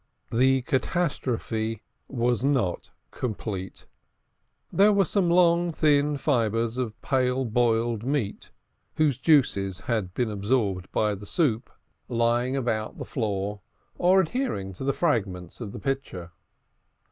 The catastrophe was not complete. There were some long thin fibres of pale boiled meat, whose juices had gone to enrich the soup, lying about the floor or adhering to the fragments of the pitcher.